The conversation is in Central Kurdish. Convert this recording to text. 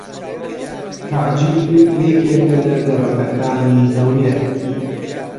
تەعجیل یەکێکە لە گەڕەکەکانی هەولێر.